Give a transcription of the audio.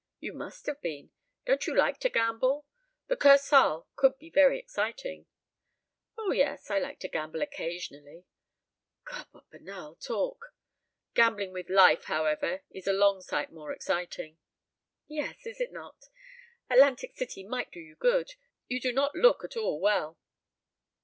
"You must have been! Don't you like to gamble? The Kursaal could be very exciting." "Oh, yes, I like to gamble occasionally." (God! What banal talk!) "Gambling with life, however, is a long sight more exciting." "Yes, is it not? Atlantic City might do you good. You do not look at all well."